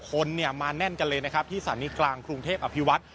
คนเนี่ยมาแน่นกันเลยนะครับที่สถานีกลางกรุงเทพอภิวัฒน์